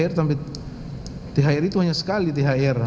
kok tiga hr sampai thr itu hanya sekali thr